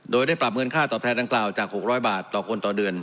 โดยได้ปรับเงินค่าตอบแทนดังกล่าวจาก๖๐๐บาทต่อคนต่อเดือน